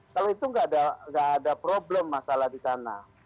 kalau itu nggak ada problem masalah di sana